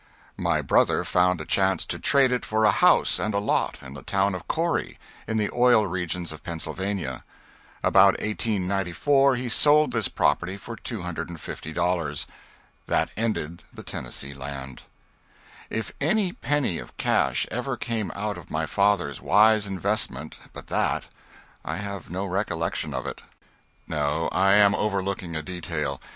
My brother found a chance to trade it for a house and lot in the town of Corry, in the oil regions of Pennsylvania. About 1894 he sold this property for $250. That ended the Tennessee Land. If any penny of cash ever came out of my father's wise investment but that, I have no recollection of it. No, I am overlooking a detail.